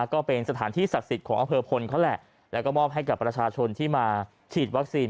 ก็เป็นสถานที่ศักดิ์สิทธิ์ของอำเภอพลเขาแหละแล้วก็มอบให้กับประชาชนที่มาฉีดวัคซีน